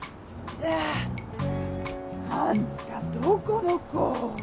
うわ。あんたどこの子？